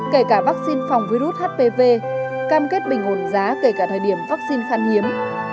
kể cả vaccine phòng virus hpv cam kết bình hồn giá kể cả thời điểm vaccine khăn hiếm